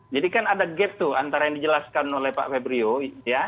jadi kan ada gap tuh antara yang dijelaskan oleh pak febrio ya